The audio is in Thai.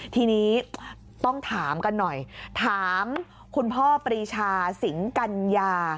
ทีนี้ต้องถามกันหน่อยถามคุณพ่อปรีชาสิงกัญญา